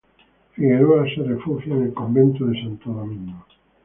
Figueroa se refugia en el convento de Santo Domingo.